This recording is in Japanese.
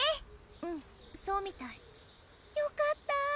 うんそうみたいよかった！